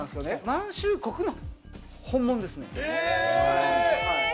満州国の本物ですね。